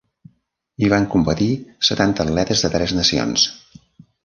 Hi van competir setanta atletes de tres nacions.